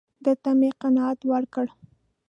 ده ته مې قناعت ورکړ.